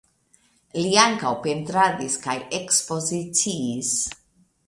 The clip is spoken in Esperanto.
Li ankaŭ pentradis kaj ekspoziciis.